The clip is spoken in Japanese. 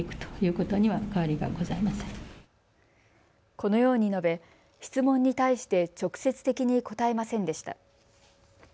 このように述べ、質問に対して直接的に答えませんでした。